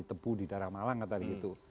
tebu di daerah malang katanya gitu